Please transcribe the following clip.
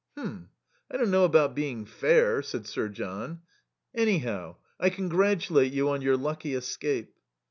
"H'm! I don't know about being fair," said Sir John. "Anyhow, I congratulate you on your lucky escape."